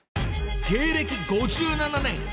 ［芸歴５７年。